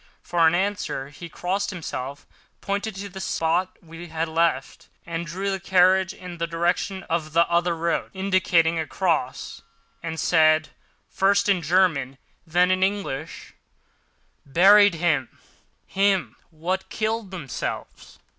For answer he crossed himself, pointed to the spot we had left and drew his carriage in the direction of the other road, indicating a cross, and said, first in German, then in English: "Buried him—him what killed themselves."